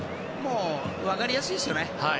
分かりやすいですよね。